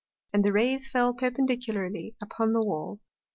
And the Rays fell perpendicularly upon the Wall.